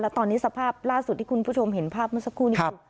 และตอนนี้สภาพล่าสุดที่คุณผู้ชมเห็นภาพทั้งสักครู่พิมพ์